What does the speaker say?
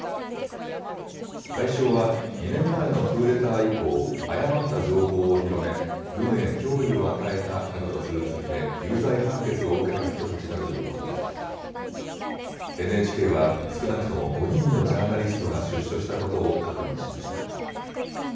対象は２年前のクーデター以降、誤った情報を広め軍へ脅威を与えたなどとする罪で有罪判決を受けた人たちだということでＮＨＫは少なくとも５人のジャーナリストが出所したことを確認しました。